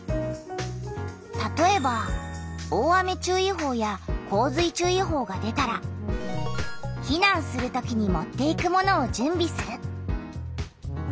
たとえば大雨注意報や洪水注意報が出たら「避難する時に持っていくものを準備する」。